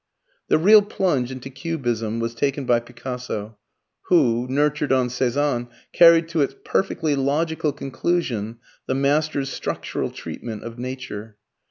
The real plunge into Cubism was taken by Picasso, who, nurtured on Cezanne, carried to its perfectly logical conclusion the master's structural treatment of nature.